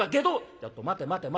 「ちょっと待て待て待て。